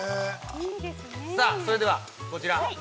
◆さあ、それでは、こちら。